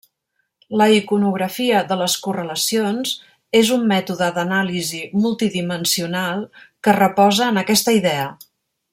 La iconografia de les correlacions és un mètode d'anàlisi multidimensional que reposa en aquesta idea.